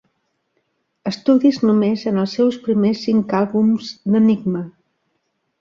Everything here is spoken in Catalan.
Estudis només en els seus primers cinc àlbums d'Enigma.